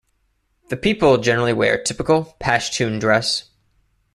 The people generally wear typical pashtoon dress.